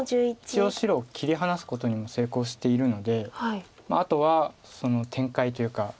一応白を切り離すことにも成功しているのであとは展開というか。